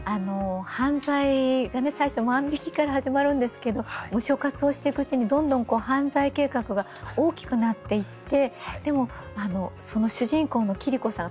犯罪が最初万引きから始まるんですけどムショ活をしていくうちにどんどん犯罪計画が大きくなっていってでも主人公の桐子さん